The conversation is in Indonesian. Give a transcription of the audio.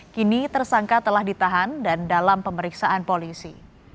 kini tersangka telah ditahan dan dalam pemeriksaan polisi